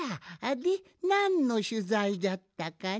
でなんのしゅざいじゃったかの？